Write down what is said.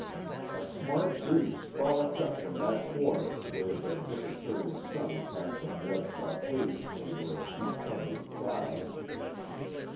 A smart breeze frolicked up from that quarter where the disappearing sun cast a bloodshot haze over a few tumbled clouds.